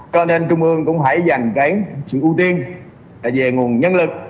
cho nên trung ương cũng hãy dành sự ưu tiên về nguồn nhân lực